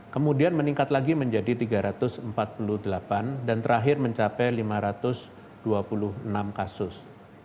kemudian meningkat lagi menjadi tiga ratus empat puluh delapan dan terakhir mencapai lima ratus dua puluh enam kasus